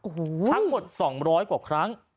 โอ้โหทั้งหมด๒๐๐กว่าครั้ง